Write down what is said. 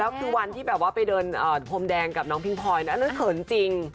แล้วคือวันที่แบบว่าไปเดินพรมแดงกับน้องพิงพลอยอันนั้นเขินจริง